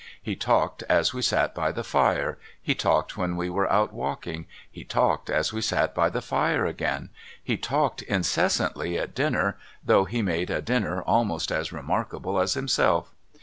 He talked as we sat by the fire, he talked when we were out walking, he talked as we sat by the fire again, he talked incessantly at dinner, though he made a dinner almost as remarkable as himself.